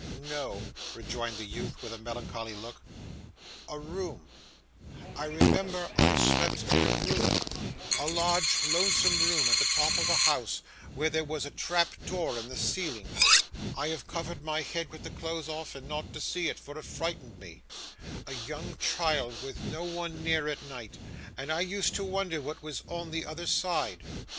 'No,' rejoined the youth, with a melancholy look; 'a room I remember I slept in a room, a large lonesome room at the top of a house, where there was a trap door in the ceiling. I have covered my head with the clothes often, not to see it, for it frightened me: a young child with no one near at night: and I used to wonder what was on the other side.